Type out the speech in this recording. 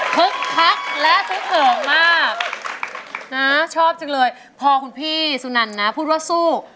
คักและฮึกเหิมมากนะชอบจังเลยพอคุณพี่สุนันนะพูดว่าสู้